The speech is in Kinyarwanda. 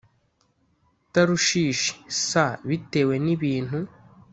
Tarushishi s bitewe n ibintu